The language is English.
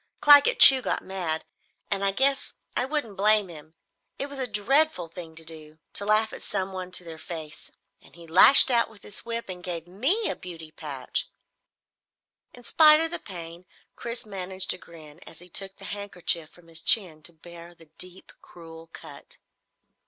Claggett Chew got mad, and I guess I wouldn't blame him. It was a dreadful thing to do to laugh at someone to their face and he lashed out with his whip and gave me a beauty patch!" In spite of the pain Chris managed a grin as he took the handkerchief from his chin to bare the deep, cruel cut.